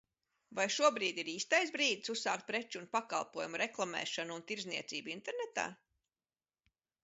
Vai šobrīd ir īstais brīdis uzsākt preču un pakalpojumu reklamēšanu, un tirdzniecību internetā?